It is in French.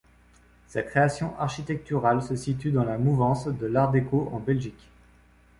Sa création architecturale se situe dans la mouvance de l'Art déco en Belgique.